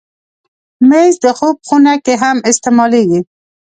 مېز د خوب خونه کې هم استعمالېږي.